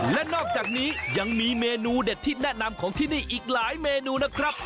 และนอกจากนี้ยังมีเมนูเด็ดที่แนะนำของที่นี่อีกหลายเมนูนะครับ